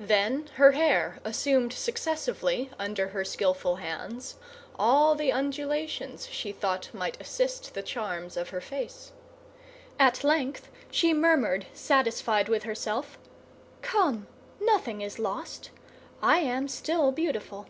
Then her hair assumed successively, under her skillful hands, all the undulations she thought might assist the charms of her face. At length she murmured, satisfied with herself, "Come, nothing is lost; I am still beautiful."